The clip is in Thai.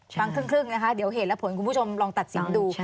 ฟังครึ่งนะคะเดี๋ยวเหตุและผลคุณผู้ชมลองตัดสินดู